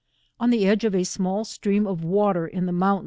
On the edge of a small stream of water iu the mounr.